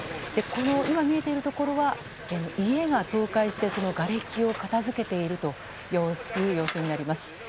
今、見えているところは家が倒壊してそのがれきを片付けているという様子になります。